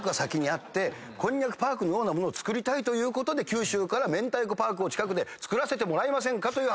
こんにゃくパークのようなものを造りたいということで九州から明太子パークを近くで造らせてもらえませんかという話。